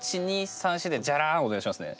１２３４でジャランお願いしますね。